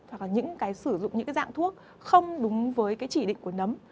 hoặc là những cái sử dụng những cái dạng thuốc không đúng với cái chỉ định của nấm